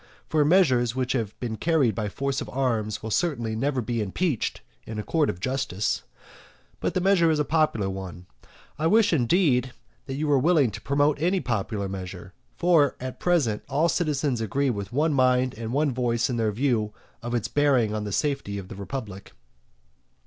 For measures which have been carried by force of arms will certainly never be impeached in a court of justice. But the measure is a popular one. I wish, indeed, that you were willing to promote any popular measure; for, at present, all the citizens agree with one mind and one voice in their view of its bearing on the safety of the republic.